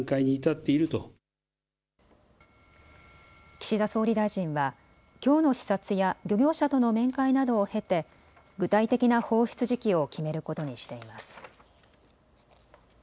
岸田総理大臣はきょうの視察や漁業者との面会などを経て具体的な放出時期を決めることにしています。